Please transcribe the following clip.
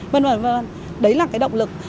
vân vân vân đấy là cái động lực